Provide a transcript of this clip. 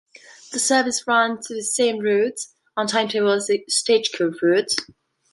The service ran to the same route and timetable as the Stagecoach route.